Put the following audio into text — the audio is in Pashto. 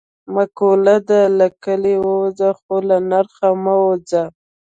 معقوله ده: له کلي ووځه خو له نرخ نه مه وځه.